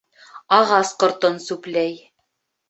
Ағас ҡортон сүпләй.